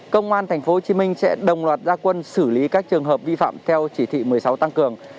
công an tp hcm sẽ đồng loạt gia quân xử lý các trường hợp vi phạm theo chỉ thị một mươi sáu tăng cường